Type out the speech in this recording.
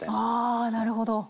あなるほど。